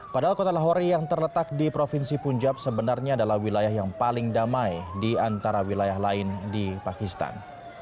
padahal kota lahori yang terletak di provinsi punjab sebenarnya adalah wilayah yang paling damai di antara wilayah lain di pakistan